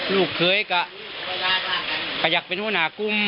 โลกเคยกะกาอยักเมท์ฮุฯนากุ้ม